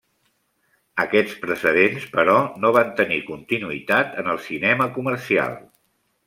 Aquests precedents, però, no van tenir continuïtat en el cinema comercial.